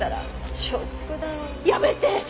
やめて！